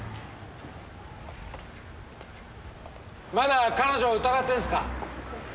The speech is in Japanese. まだ彼女を疑ってるんですか？